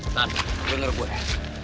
tahan gue ngerokok ya